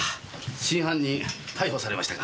真犯人逮捕されましたか。